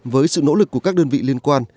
với sự nỗ lực của các đơn vị liên quan